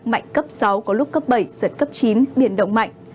mạnh cấp sáu có lúc cấp bảy giật cấp chín biển động mạnh